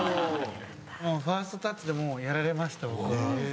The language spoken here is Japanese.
ファーストタッチでやられました僕は。